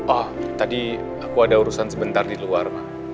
oh tadi aku ada urusan sebentar di luar